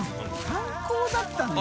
観光だったんだ。